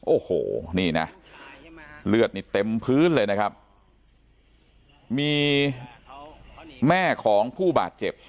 โอ้โหนี่นะเลือดนี่เต็มพื้นเลยนะครับมีแม่ของผู้บาดเจ็บ